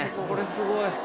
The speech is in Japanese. これすごい。